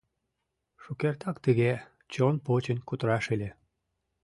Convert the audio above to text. Шукертак тыге, чон почын кутыраш ыле.